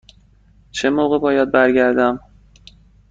چه موقع باید برگردم؟